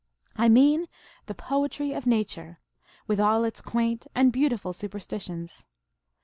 I mean the poetry of nature, with all its quaint and beautiful superstitions.